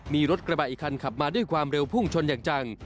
มีรถกระบะอีกคันขับมาด้วยความเร็วพุ่งชนอย่างจัง